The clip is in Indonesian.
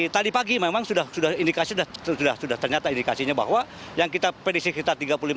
tadi pagi memang sudah ternyata indikasinya bahwa yang kita prediksi kita tiga pagi